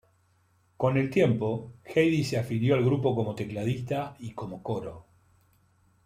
Con el tiempo, Heidi se afilió al grupo como tecladista y como coro.